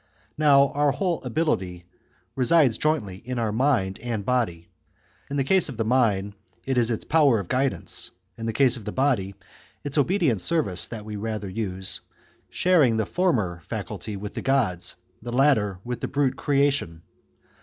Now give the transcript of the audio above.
Now our whole ability resides jointly in our mind and body. In the case of the mind it is its power of guidance, in the case of the body its obedient service that we rather use, sharing the former faculty with the gods, the latter with the brute creation.